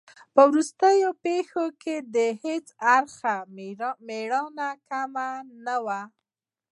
په وروستۍ پېښه کې د هیڅ اړخ مېړانه کمه نه وه.